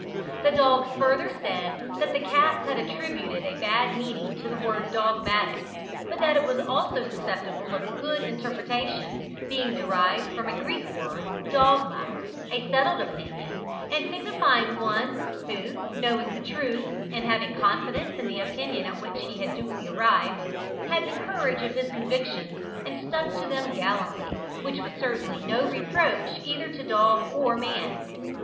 The dogs further said that the cats had attributed a bad meaning to the word "dog matic," but that it was also susceptible of a good interpretation, being derived from a Greek word, dogma, a settled opinion, and signifying one who, knowing the truth, and having confidence in the opinion at which he had duly arrived, had the courage of his convictions and stuck to them gallantly, which was certainly no reproach either to dog or man.